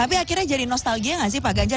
tapi akhirnya jadi nostalgia nggak sih pak ganjar